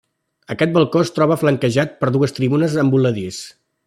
Aquest balcó es troba flanquejat per dues tribunes en voladís.